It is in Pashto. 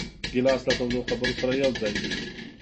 ګیلاس له تودو خبرو سره یوځای وي.